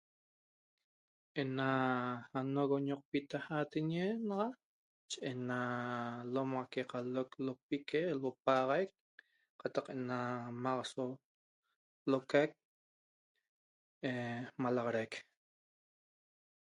Ena hanoxot ñoqpita ateñe naxa ena lomaxaqui qaloq lopique l'paxaiq qataq Ena maxaso loqaiq malaxaraiq